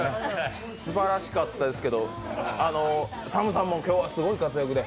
すばらしかったですけどＳＡＭさんも今日はすごい活躍で。